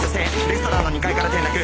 レストランの２階から転落。